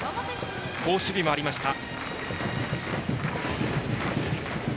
好守備もありました。